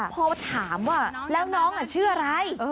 พอถามว่าแล้วน้องชื่ออะไร